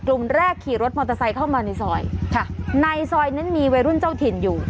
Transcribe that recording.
กลุ่มแรกขี่รถมอเตอร์ไซค์เข้ามาในซอยค่ะในซอยนั้นมีวัยรุ่นเจ้าถิ่นอยู่